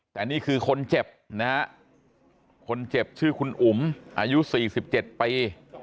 แต่นี่คือคนเจ็บนะฮะคนเจ็บชื่อคุณอุ๋มอายุ๔๗ปี